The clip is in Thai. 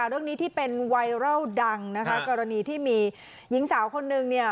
เรื่องนี้ที่เป็นไวรัลดังนะคะกรณีที่มีหญิงสาวคนนึงเนี่ย